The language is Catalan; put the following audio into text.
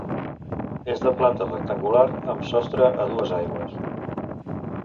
És de planta rectangular amb sostre a dues aigües.